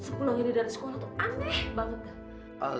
sepuluh ini dari sekolah tuh aneh banget